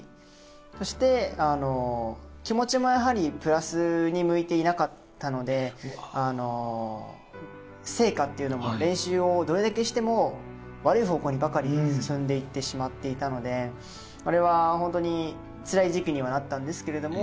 そして気持ちもやはりプラスに向いていなかったので成果っていうのも練習をどれだけしても悪い方向にばかり進んでいってしまっていたのであれはホントにつらい時期にはなったんですけれども。